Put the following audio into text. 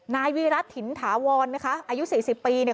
นายวีรัสถินถาวรนะคะอายุ๔๐ปีเนี่ย